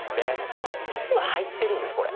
でも実は入ってるんですこれ。